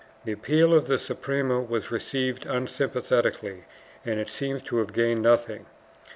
The appeal of the Suprema was received unsympathetically and it seems to have gained nothing.